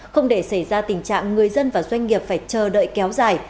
không để xảy ra tình trạng người dân và doanh nghiệp phải chờ đợi kéo dài